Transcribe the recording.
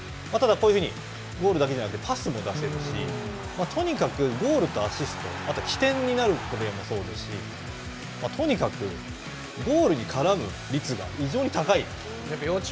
ただ、ゴールだけじゃなくてパスも出せるしゴール、アシストあと、起点になるプレーもそうですしとにかくゴールに絡む率が異常に高い。